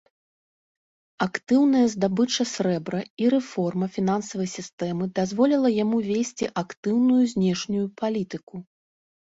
Актыўная здабыча срэбра і рэформа фінансавай сістэмы дазволіла яму весці актыўную знешнюю палітыку.